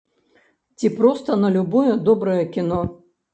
Ці проста на любое добрае кіно.